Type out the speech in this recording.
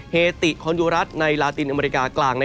เฮติคอนยูรัฐในลาตินอเมริกากลาง